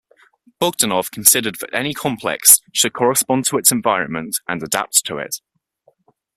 Bogdanov considered that any complex should correspond to its environment and adapt to it.